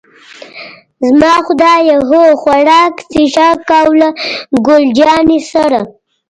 زما خدایه، هو، خوراک، څښاک او له ګل جانې سره.